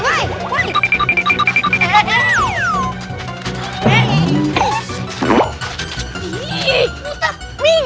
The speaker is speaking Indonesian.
kalau aku itu aikal